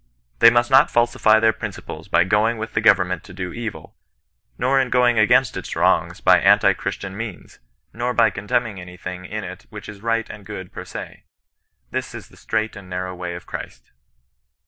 They must not falsify their principles by going with the government to do evil, nor in going against its wrongs by anti Christian means, nor by contemning any thing in it which is right and good per se. This is the strait and narrow way of Christ.